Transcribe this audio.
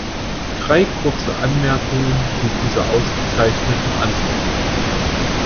Drei kurze Anmerkungen zu dieser ausgezeichneten Antwort.